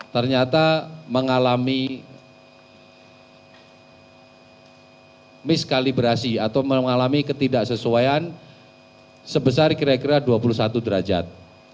ternyata mengalami miskalibrasi atau mengalami ketidaksesuaian sebesar kira kira dua puluh satu derajat